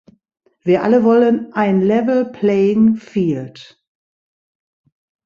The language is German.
Wir alle wollen ein level playing field.